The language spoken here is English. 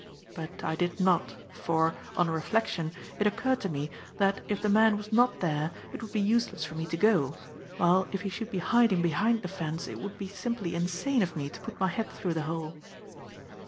But I did not, for, on reflection, it occurred to me that if the man was not there it would be useless for me to go, while if he should be hiding behind the fence it would be simply insane of me to put my head through the hole.